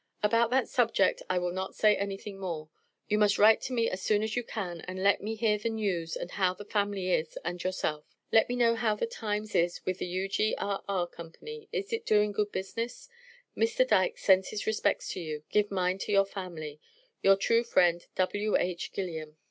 About that subject I will not say anything more. You must write to me as soon as you can and let me here the news and how the Family is and yourself. Let me know how the times is with the U.G.R.R. Co. Is it doing good business? Mr. Dykes sends his respects to you. Give mine to your family. Your true friend, W.H. GILLIAM.